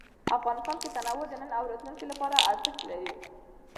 افغانستان کې تنوع د نن او راتلونکي لپاره ارزښت لري.